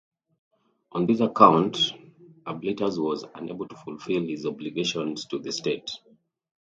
On this account Ablitas was unable to fulfil his obligations to the state.